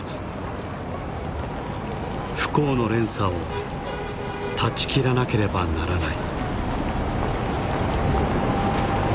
不幸の連鎖を断ち切らなければならない。